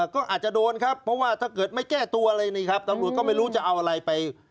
ก็อาจจะโดนครับเพราะว่าถ้าเกิดไม่แก้ตัวอะไรนี่ครับตำรวจก็ไม่รู้จะเอาอะไรไป